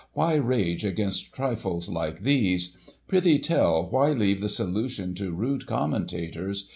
Why rage against trifles like these ? Prithee tell. Why leave the solution to rude commentators.